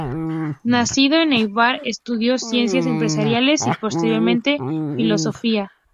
Nacido en Eibar, estudió Ciencias Empresariales y posteriormente Filosofía.